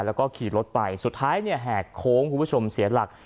แล้วก็ขี่รถไปสุดท้ายเนี่ยแหกโค้งคุณผู้ชมเสียหลัก